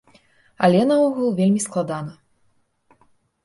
Але, наогул, вельмі складана.